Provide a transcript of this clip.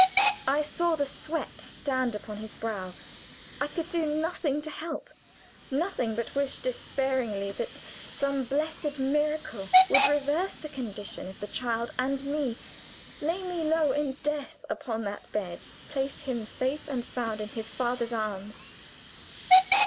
I saw the sweat stand upon his brow I could do nothing to help nothing but wish despairingly that some blessed miracle would reverse the condition of the child and me lay me low in death upon that bed place him safe and sound in his father's arms.